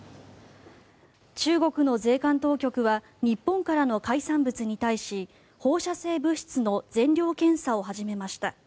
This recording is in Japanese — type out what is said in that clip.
中国の税関当局は日本からの海産物に対し放射性物質の全量検査を始めました。